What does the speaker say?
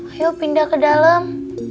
ayo pindah ke dalam